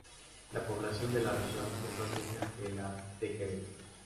La población de la región es más vieja que la de Quebec.